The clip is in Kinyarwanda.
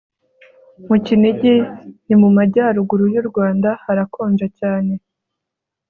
mu kinigi ni mu majyaruguru y'u rwanda, harakonja cyane